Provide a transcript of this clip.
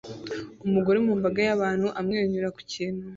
Umugore uri mu mbaga y'abantu amwenyura ku kintu